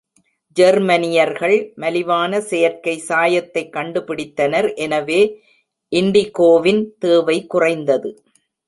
ஜெர்மனியர்கள் மலிவான செயற்கை சாயத்தை கண்டுபிடித்தனர், எனவே இண்டிகோவின் தேவை குறைந்தது.